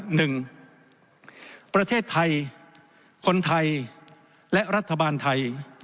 หนึ่งประเทศไทยคนไทยและรัฐบาลไทย